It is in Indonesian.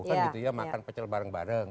bukan gitu ya makan pecel bareng bareng